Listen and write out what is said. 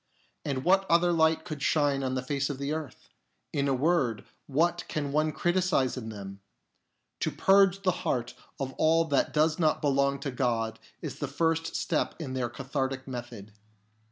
And what other light could shine on the face of the earth 1 In a word, what can one criticise in them ? To purge the heart of all that does not belong to God is the first step in their cathartic method.